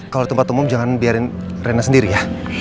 kalau di tempat umum jangan biarin rena sendiri ya